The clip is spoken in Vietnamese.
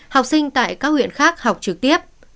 học sinh tại các huyện khác học trực tiếp